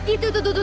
itu tuh tuh tuh